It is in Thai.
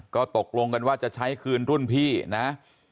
ก็ตกลงกันว่าจะใช้คืนรุ่นพี่นะ